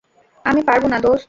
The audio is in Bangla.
আমি পারবো না দোস্ত।